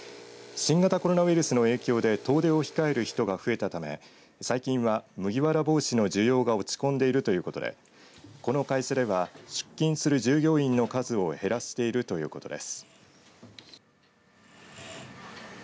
新型コロナウイルスの影響で遠出を控える人が増えたため最近は麦わら帽子の需要が落ち込んでいるということでこの会社では出勤する従業員の数を減らしているということです。